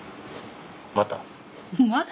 また？